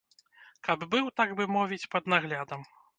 Каб быў, так бы мовіць, пад наглядам.